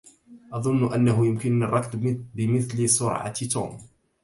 أظن أنه يمكنني الركض بمثل سرعة توم.